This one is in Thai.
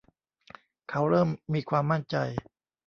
เขาเริ่มมีความมั่นใจ